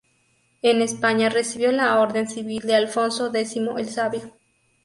En España recibió la Orden Civil de Alfonso X el Sabio.